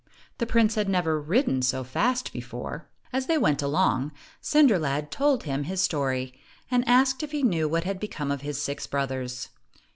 The prince had never ridden so fast before. As they went along, Cinder lad told him his story, and asked if he knew what had become of his six brothers.